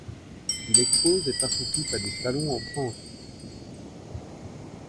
Il expose et participe à des salons en France.